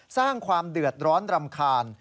สร้างความเดือดร้อนรำคาญ